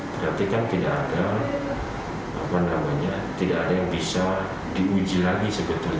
berarti kan tidak ada yang bisa diuji lagi sebetulnya